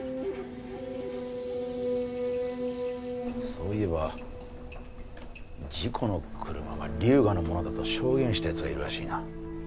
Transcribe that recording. そういえば事故の車は龍河のものだと証言した奴がいるらしいな。